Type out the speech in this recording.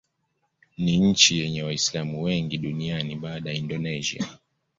Ni nchi yenye Waislamu wengi duniani baada ya Indonesia.